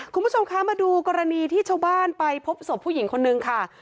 คุณผู้ชมคะมาดูกรณีที่ชาวบ้านไปพบศพผู้หญิงคนนึงค่ะ